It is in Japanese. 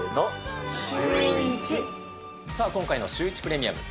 さあ、今回のシューイチプレミアム。